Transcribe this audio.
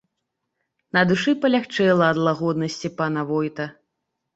На душы палягчэла ад лагоднасці пана войта.